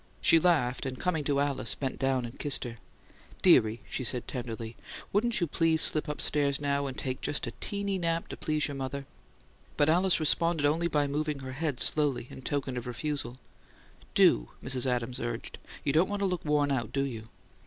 She laughed, and coming to Alice, bent down and kissed her. "Dearie," she said, tenderly, "wouldn't you please slip upstairs now and take just a little teeny nap to please your mother?" But Alice responded only by moving her head slowly, in token of refusal. "Do!" Mrs. Adams urged. "You don't want to look worn out, do you?"